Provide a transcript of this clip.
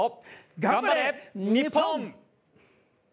頑張れ、日本！